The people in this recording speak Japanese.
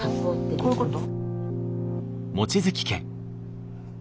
こういうこと？